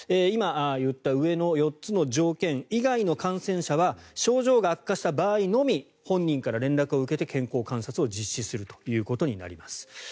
今、言った上の４つの条件以外の感染者は症状が悪化した場合のみ本人から連絡を受けて健康観察を実施するということになります。